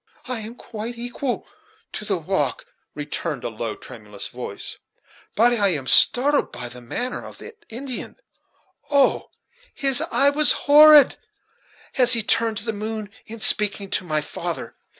"I am quite equal to the walk," returned a low, tremulous voice; "but I am startled by the manner of that Indian, Oh! his eye was horrid, as he turned to the moon, in speaking to my father.